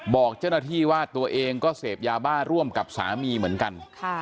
บอกเจ้าหน้าที่ว่าตัวเองก็เสพยาบ้าร่วมกับสามีเหมือนกัน